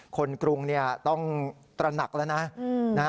กรุงต้องตระหนักแล้วนะ